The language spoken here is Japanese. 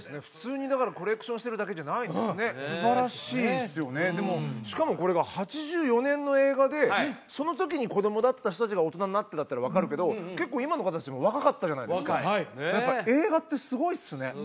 普通にだからコレクションしてるだけじゃないんですねすばらしいですよねでもしかもこれが８４年の映画でそのときに子供だった人達が大人になってだったら分かるけど結構今の方達も若かったじゃないですか何か映画ってすごいっすね